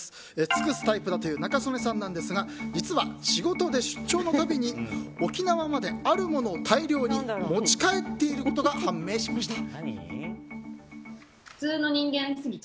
尽くすタイプだという仲宗根さんなんですが実は仕事で出張のたびに沖縄まであるものを大量に持ち帰っていることが判明しました。